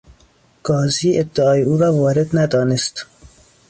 قاضی ادعای او را وارد ندانست.